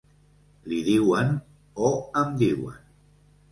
Li diuen o em diuen.